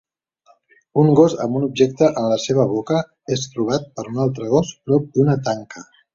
Un gos amb un objecte en la seva boca és trobat per un altre gos prop d'una tanca